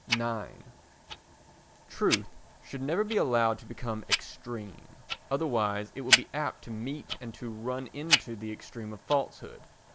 ix Truth should never be allowed to become extreme; otherwise it will be apt to meet and to run into the extreme of falsehood.